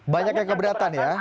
banyak yang keberatan ya